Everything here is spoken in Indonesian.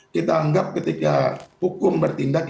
kita anggap ketika hukum bertindak